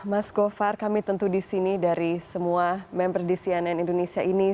mas gofar kami tentu di sini dari semua member di cnn indonesia ini